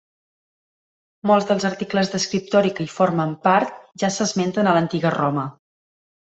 Molts dels articles d'escriptori que hi formen part, ja s'esmenten a l'antiga Roma.